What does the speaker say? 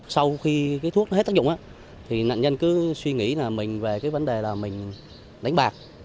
sau khi thuốc hết tác dụng nạn nhân cứ suy nghĩ mình về vấn đề là mình đánh bạc